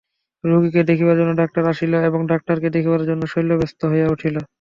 রোগীকে দেখিবার জন্য ডাক্তার আসিল এবং ডাক্তারকে দেখিবার জন্য শৈল ব্যস্ত হইয়া উঠিল।